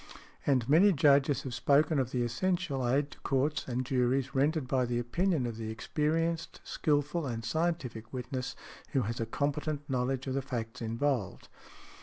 And many Judges have spoken of the essential aid to courts and juries rendered by the opinion of the experienced, skilful and scientific witness who has a competent knowledge of the facts involved.